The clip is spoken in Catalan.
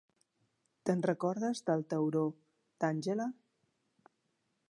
Te'n recordes del tauró d'Àngela?